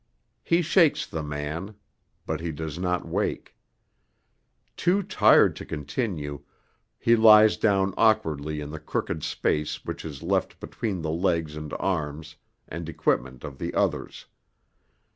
He shakes the man, but he does not wake. Too tired to continue he lies down awkwardly in the crooked space which is left between the legs and arms and equipment of the others.